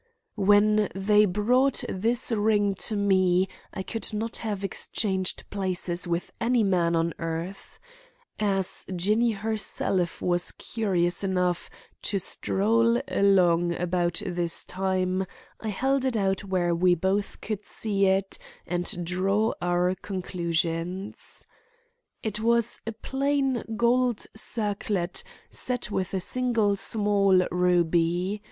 When they brought this ring to me I would not have exchanged places with any man on earth. As Jinny herself was curious enough to stroll along about this time, I held it out where we both could see it and draw our conclusions. It was a plain gold circlet set with a single small ruby.